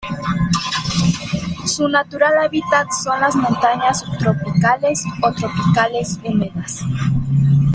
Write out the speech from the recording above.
Su natural hábitat son las montañas subtropicales o tropicales húmedas.